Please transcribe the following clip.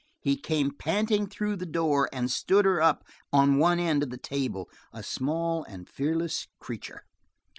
He came panting through the door and stood her up on the end of the table, a small and fearless creature.